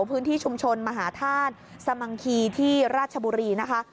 พื้นที่ชุมชนมหาธาตุสมังคีที่ราชบุรีนะคะ